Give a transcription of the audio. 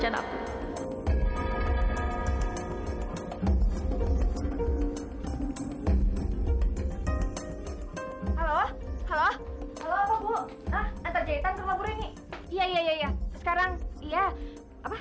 udah selesai ngomongnya